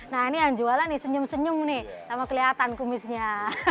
nah ini yang jualan nih senyum senyum nih sama kelihatan kumisnya